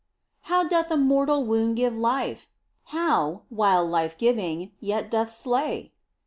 How doth a mortal wound give life ? How, while life giving, yet doth slay